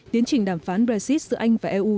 tiến trình đàm phán brexit giữa anh và eu